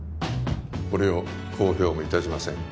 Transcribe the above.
これを公表もいたしません